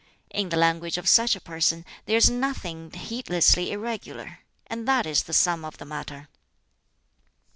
In the language of such a person there is nothing heedlessly irregular and that is the sum of the matter."